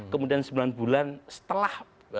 kemudian sembilan bulan setelah